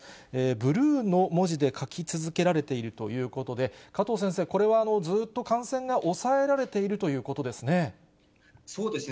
ブルーの文字で書き続けられているということで、加藤先生、これはずっと感染が抑えられているということですね。